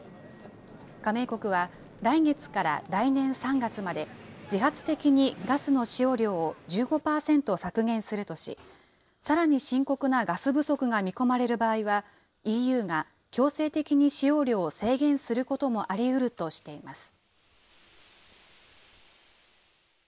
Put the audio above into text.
加盟国は来月から来年３月まで、自発的にガスの使用量を１５％削減するとし、さらに深刻なガス不足が見込まれる場合は、ＥＵが強制的に使用量を制限することもありうるとしています。